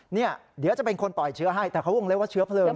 เดี๋ยวจะเป็นคนปล่อยเชื้อให้แต่เขาวงเรียกว่าเชื้อเพลิง